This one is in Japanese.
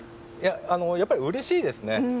やっぱりうれしいですね。